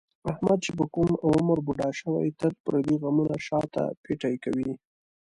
احمد چې په کوم عمر بوډا شوی، تل پردي غمونه شاته پېټی کوي.